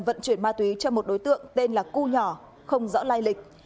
vận chuyển ma túy cho một đối tượng tên là cô nhỏ không rõ lai lịch